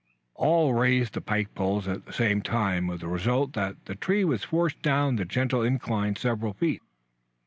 All raised on the pike poles at the same time with the result that the tree was forced down the gentle incline several feet.